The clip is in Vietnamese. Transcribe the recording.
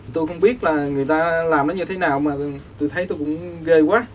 tôi không biết là người ta làm nó như thế nào mà tôi thấy tôi cũng ghê quá